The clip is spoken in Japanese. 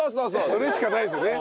それしかないですよね。